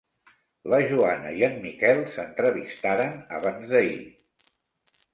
La Joana i en Miquel s'entrevistaren abans d'ahir.